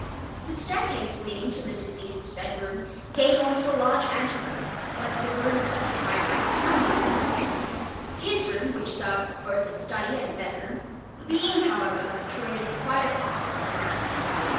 The stair case leading to the deceased's bed room gave on toa large ante room, whence the rooms occupied by his family were reached; his room which served both as study and bed room, being however situated quite apart from the rest.